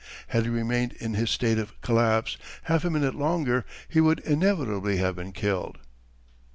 Had he remained in his state of collapse half a minute longer, he would inevitably have been killed.